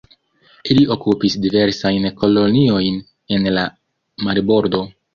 Ili okupis diversajn koloniojn en la marbordo.